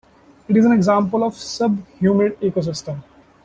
It is an example of a sub-humid ecosystem.